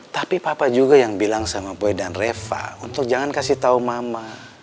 tapi papa juga yang bilang sama boy dan reva untuk jangan kasih tahu mama